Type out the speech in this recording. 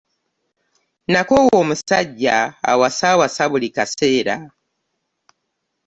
Nakoowa omusajja awaasawaasa buli kaseera.